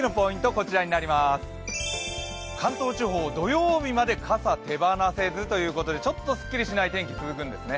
こちらになります、関東地方、土曜日まで傘手放せずということでちょっとすっきりしない天気続くんですね。